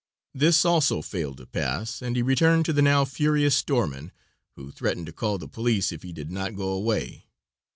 This also failed to pass, and he returned to the now furious storeman, who threatened to call the police if he did not go away.